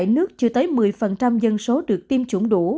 ba mươi bảy nước chưa tới một mươi dân số được tiêm chủng